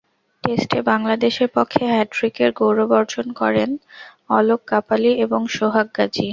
টেস্টে বাংলাদেশের পক্ষে হ্যাটট্রিকের গৌরব অর্জন করেন অলক কাপালি এবং সোহাগ গাজী।